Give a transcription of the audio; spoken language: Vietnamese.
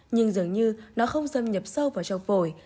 nhưng dường như nó không xâm nhập sâu vào trong phổi